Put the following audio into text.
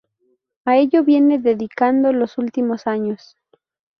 A ello viene dedicando los últimos años.